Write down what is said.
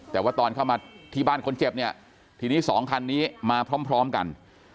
แต่ว่าตอนเข้ามาที่บ้านคนเจ็บเนี่ยทีนี้สองคันนี้มาพร้อมกัน